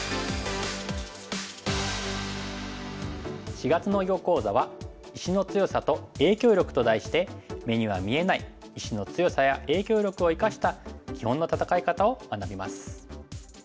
４月の囲碁講座は「石の強さと影響力」と題して目には見えない石の強さや影響力を生かした基本の戦い方を学びます。